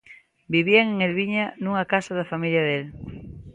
Vivían en Elviña nunha casa da familia del.